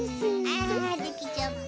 ああできちゃった。